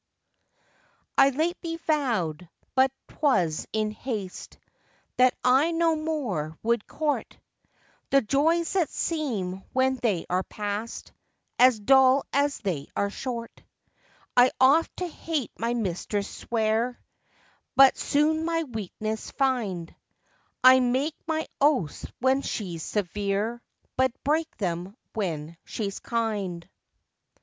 I lately vow'd, but 'twas in haste, That I no more would court The joys that seem when they are past As dull as they are short. I oft to hate my mistress swear, But soon my weakness find; I make my oaths when she's severe, But break them when she's kind.